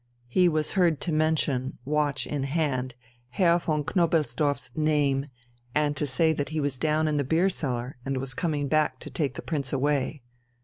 He was heard to mention, watch in hand, Herr von Knobelsdorff's name, and to say that he was down in the beer cellar and was coming back to take the Prince away.